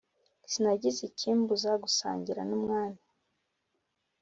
Sinagize ikimbuza gusangira n’umwami